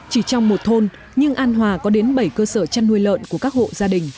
chỉ trong một thôn nhưng an hòa có đến bảy cơ sở chăn nuôi lợn của các hộ gia đình